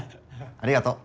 ありがとう。